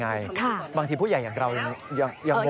ใครเปิดประตูมาได้เพื่อนก็เอามาได้แล้ว